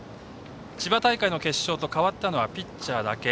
千葉大会の決勝と変わったのはピッチャーだけ。